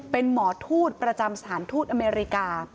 เป็นหมอทูตประจำสถานทูตอเมริกา